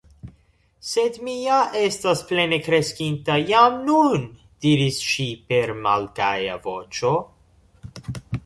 « Sed mi ja estas plene kreskinta jam nun" diris ŝi per malgaja voĉo.